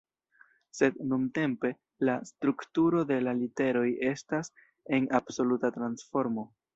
Sed nuntempe, la strukturo de la literoj estas en absoluta transformo.